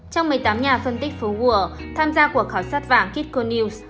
trong một mươi tám nhà phân tích phố gùa tham gia cuộc khảo sát vàng kitco news